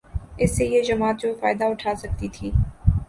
اس سے یہ جماعت جو فائدہ اٹھا سکتی تھی